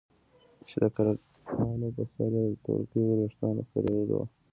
چې دکرکانو په سر يې د تورکي وريښتان خرييلي وو.